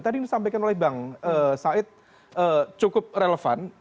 tadi disampaikan oleh bang said cukup relevan